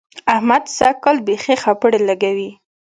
احمد سږ کال بېخي خپړې لګوي.